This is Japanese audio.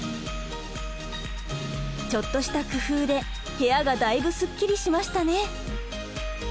ちょっとした工夫で部屋がだいぶすっきりしましたね！